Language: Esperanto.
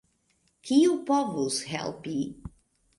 Kiu povus helpi?